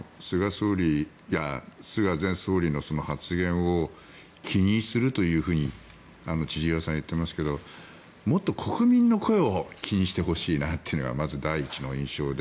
菅前総理の発言を気にするというふうに千々岩さんは言っていますがもっと国民の声を気にしてほしいなというのがまず第一の印象で。